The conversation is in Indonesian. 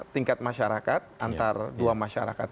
tingkat masyarakat antara dua masyarakat